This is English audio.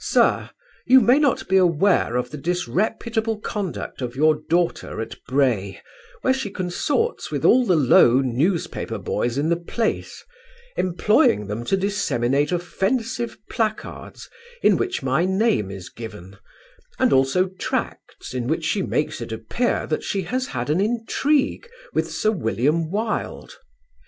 Sir, you may not be aware of the disreputable conduct of your daughter at Bray where she consorts with all the low newspaper boys in the place, employing them to disseminate offensive placards in which my name is given, and also tracts in which she makes it appear that she has had an intrigue with Sir William Wilde.